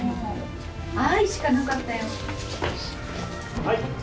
はい。